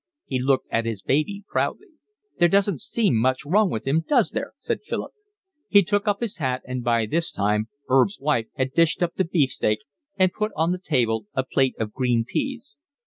He looked at his baby proudly. "There doesn't seem much wrong with him, does there?" said Philip. He took up his hat, and by this time 'Erb's wife had dished up the beefsteak and put on the table a plate of green peas.